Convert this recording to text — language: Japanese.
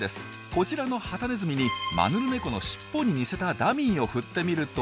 こちらのハタネズミにマヌルネコのしっぽに似せたダミーを振ってみると。